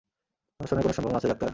ধর্ষণের কোনো সম্ভাবনা আছে, ডাক্তার?